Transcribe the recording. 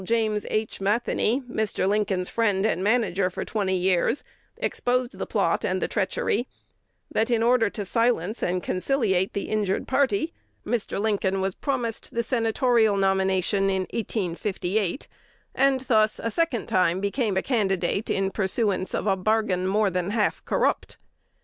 James H. Matheny, Mr. Lincoln's "friend and manager for twenty years," exposed the plot and the treachery; that, in order to silence and conciliate the injured party, Mr. Lincoln was promised the senatorial nomination in 1858, and thus a second time became a candidate in pursuance of a bargain more than half corrupt.